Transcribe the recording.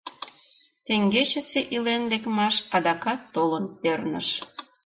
Теҥгечысе илен лекмаш адакат толын перныш.